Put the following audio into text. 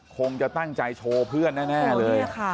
คงจะตั้งใจโชว์เพื่อนแน่เลย